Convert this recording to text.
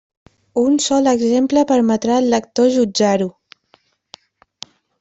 Un sol exemple permetrà al lector jutjar-ho.